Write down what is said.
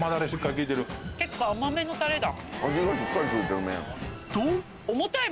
結構甘めのタレだ。